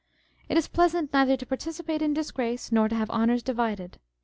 It is pleasant neither to par ticipate in disgrace nor to have honours divided.